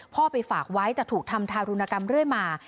พ่อไปฝากไว้แต่ถูกทำทารุณกรรมเรื่อยมา